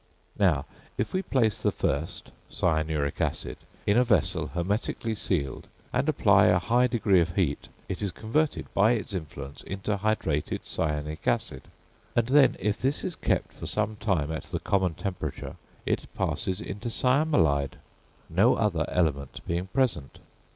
Now if we place the first, cyanuric acid, in a vessel hermetically sealed, and apply a high degree of heat, it is converted by its influence into hydrated cyanic acid; and, then, if this is kept for some time at the common temperature, it passes into cyamelide, no other element being present.